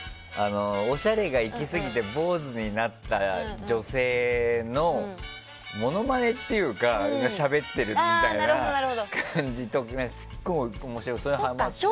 おしゃれがいきすぎて坊主になった女性のものまねというかしゃべってるみたいな感じが結構、面白くてはまってて。